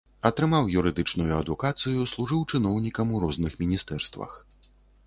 Атрымаў юрыдычную адукацыю, служыў чыноўнікам у розных міністэрствах.